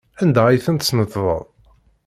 Anda ay tent-tesneṭḍeḍ?